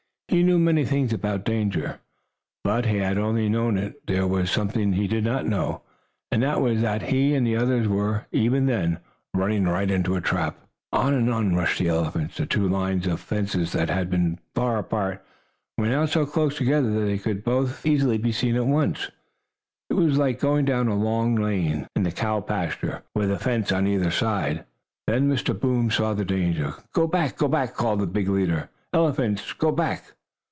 He knew many things about danger. But, had he only known it, there was something he did not know and this was that he and the others were, even then, running right into a trap. On and on rushed the elephants. The two lines of fences that had been far apart, were now so close together that they could both easily be seen at once. It was like going down a long lane, in the cow pasture, with a fence on either side. Then Mr. Boom saw the danger. "Go back! Go back!" called the big leader elephant. "Go back!"